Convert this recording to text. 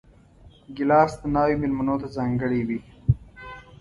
ګیلاس د ناوې مېلمنو ته ځانګړی وي.